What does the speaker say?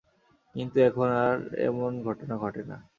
কিন্তু এখন আর এমন ঘটনা ঘটে না।